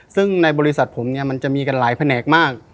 ซึ่งในบริษัทผมเนี่ยมันจะมีกันหลายแผนกมาก